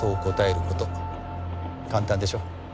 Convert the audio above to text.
簡単でしょ？